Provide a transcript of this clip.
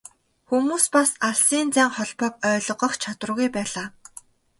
Хүмүүс бас алсын зайн холбоог ойлгох чадваргүй байлаа.